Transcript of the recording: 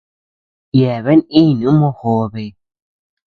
Yeabean iʼnuu mojobe.